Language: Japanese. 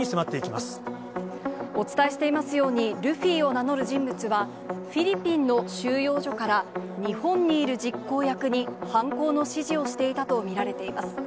お伝えしていますように、ルフィを名乗る人物は、フィリピンの収容所から日本にいる実行役に犯行の指示をしていたと見られています。